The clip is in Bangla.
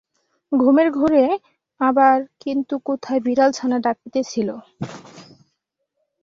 ঘুমের ঘোরে আবার কিন্তু কোথায় বিড়ালছানা ডাকিতেছিল।